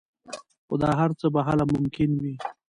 خو دا هر څه به هله ممکن وي